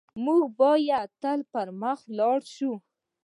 موږ بايد تل پر مخ لاړ شو.